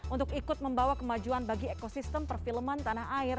untuk ikut membawa kemajuan bagi ekosistem perfilman tanah air